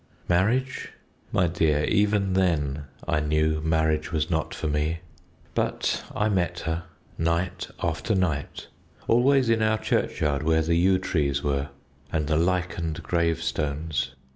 Marriage? My dear, even then I knew marriage was not for me. But I met her night after night, always in our churchyard where the yew trees were and the lichened gravestones.